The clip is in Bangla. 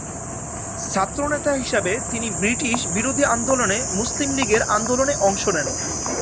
ছাত্র নেতা হিসেবে তিনি ব্রিটিশ বিরোধী আন্দোলনে মুসলিম লীগের আন্দোলনে অংশ নেন।